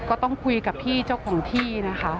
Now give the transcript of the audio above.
ก็ต้องคุยกับพี่เจ้าของที่นะคะ